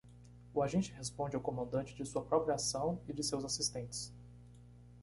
O agente responde ao comandante de sua própria ação e de seus assistentes.